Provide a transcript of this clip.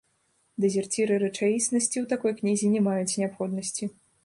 Дэзерціры рэчаіснасці ў такой кнізе не маюць неабходнасці.